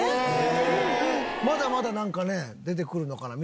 まだまだなんかね出てくるのかな？